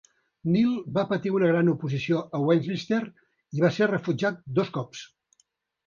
Neal va patir una gran oposició a Westminster i va ser rebutjat dos cops.